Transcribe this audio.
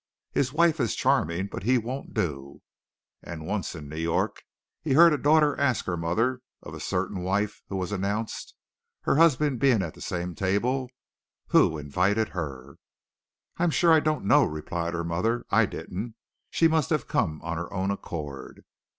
His wife is charming, but he won't do," and once in New York he heard a daughter ask her mother, of a certain wife who was announced her husband being at the same table "who invited her?" "I'm sure I don't know," replied her mother; "I didn't. She must have come of her own accord."